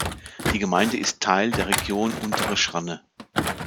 Die Gemeinde ist Teil der Region Untere Schranne.